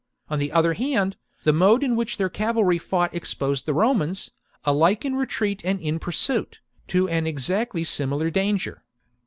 On the other hand, the mode in which their cavalry fought exposed the Romans, alike in retreat and in pursuit,, tp an exactly similar danger.